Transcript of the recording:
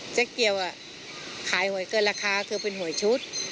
เจ๊เกียวขายหวยเกินราคาเธอเป็นหวยชุด